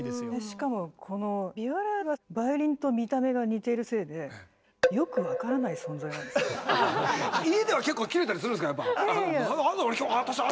しかもこのビオラはバイオリンと見た目が似てるせいで家では結構キレたりするんですかやっぱ。